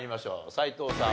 斎藤さん